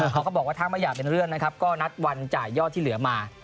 เขาก็บอกว่าถ้าไม่อยากเป็นเรื่องนะครับก็นัดวันจ่ายยอดที่เหลือมา